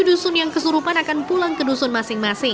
dengan diarap oleh warga lainnya